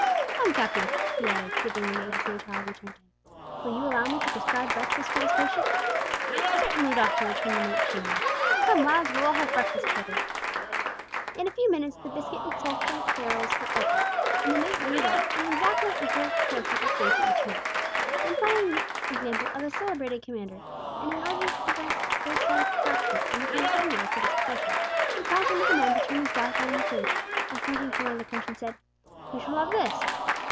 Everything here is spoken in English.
Come, Captain," he added, giving the mate his new title as he turned to him, "will you allow me to prescribe breakfast for this patient?" "Certainly, Doctor," returned the mate cheerily. "Come, lads, we'll all have breakfast together." In a few minutes the biscuit and salt junk barrels were opened, and the mate measured out an exactly equal proportion of food to each man. Then, following the example of a celebrated commander, and in order to prevent dissatisfaction on the part of any with his portion, he caused one of the men to turn his back on the food, and, pointing to one of the portions said, "Who shall have this?"